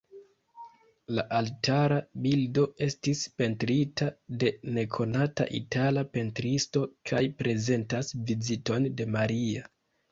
La altara bildo estis pentrita de nekonata itala pentristo kaj prezentas Viziton de Maria.